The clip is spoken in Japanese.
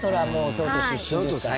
京都出身ですから。